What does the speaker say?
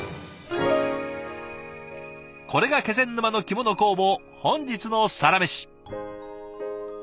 これが気仙沼の着物工房本日のサラメシ！